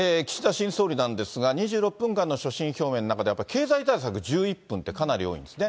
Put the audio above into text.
新総理なんですが、２６分間の所信表明の中で経済対策１１分ってかなり多いんですね。